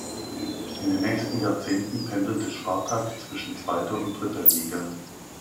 In den nächsten Jahrzehnten pendelte Spartak zwischen zweiter und dritter Liga.